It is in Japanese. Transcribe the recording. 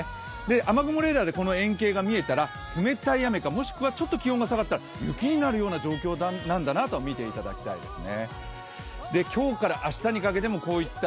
雨具もレーダーで、この円形が見えたら、冷たい雨か、気温が下がったら、雪になるような状況なんだなと見ていただきたいですね。